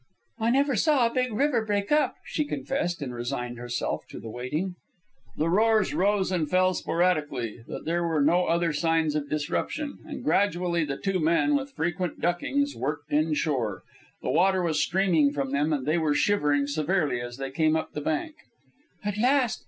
"I never saw a big river break up," she confessed, and resigned herself to the waiting. The roars rose and fell sporadically, but there were no other signs of disruption, and gradually the two men, with frequent duckings, worked inshore. The water was streaming from them and they were shivering severely as they came up the bank. "At last!"